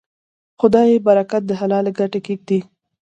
خدای برکت د حلالې ګټې کې ږدي.